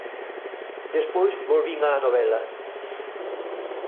Despois volvín á novela.